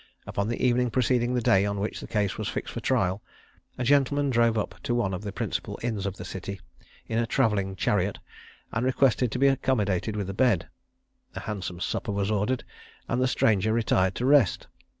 Upon the evening preceding the day on which the case was fixed for trial, a gentleman drove up to one of the principal inns of the city in a travelling chariot, and requested to be accommodated with a bed. A handsome supper was ordered, and the stranger retired to rest.